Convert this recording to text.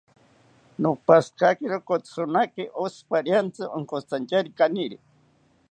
Nopashikakiro kotzironaki oshi pariantzi ronkotzitantyari kaniri